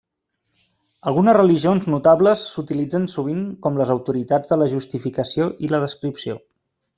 Algunes religions notables s'utilitzen sovint com les autoritats de la justificació i la descripció.